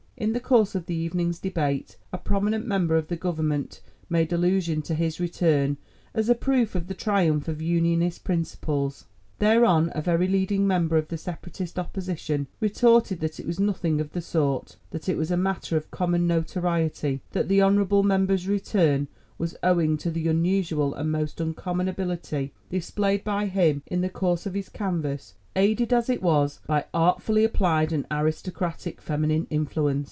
In the course of the evening's debate a prominent member of the Government made allusion to his return as a proof of the triumph of Unionist principles. Thereon a very leading member of the Separatist opposition retorted that it was nothing of the sort, "that it was a matter of common notoriety that the honourable member's return was owing to the unusual and most uncommon ability displayed by him in the course of his canvass, aided as it was, by artfully applied and aristocratic feminine influence."